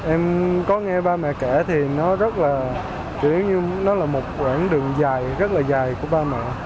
em có nghe ba mẹ kể thì nó rất là chủ yếu như nó là một đoạn đường dài rất là dài của ba mẹ